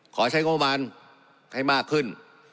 ขอใช้งบประมาณให้มากขึ้น